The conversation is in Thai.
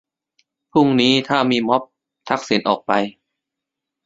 พรุ่งนี้ถ้ามีม็อบ ทักษิณออกไป